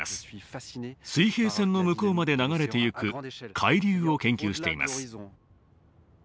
水平線の向こうまで流れてゆく海流を研究しています。